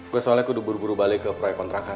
gue soalnya udah buru buru balik ke proyek kontrakan